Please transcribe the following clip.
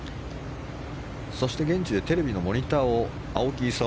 そして現地でテレビのモニターを青木功